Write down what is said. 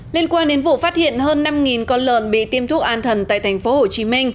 liên quan đến vụ phát hiện hơn năm con lợn bị tiêm thuốc an thần tại tp hcm